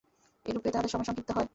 এইরূপেই তাঁহাদের সময় সংক্ষিপ্ত হয়।